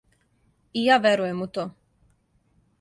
И ја верујем у то.